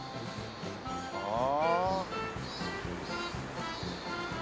ああ。